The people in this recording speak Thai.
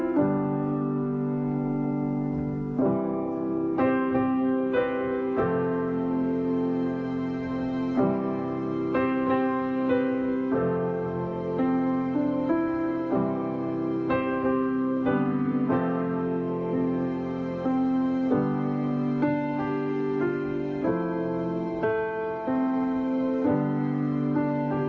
โปรดติดตามตอนต่อไป